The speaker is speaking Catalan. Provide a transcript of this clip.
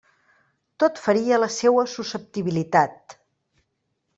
Tot feria la seua susceptibilitat.